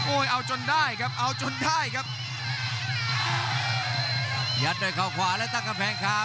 โอ้ยเอาจนได้ครับเอาจนได้ครับยัดด้วยขวาแล้วตั้งกระแพงคา